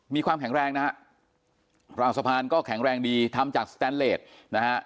มีความแข็งแรงนะฮะราวสะพานก็แข็งแรงดีทำจากสแตนเลสนะฮะ